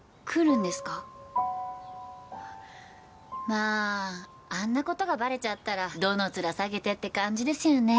まああんなことがバレちゃったらどの面下げてって感じですよね。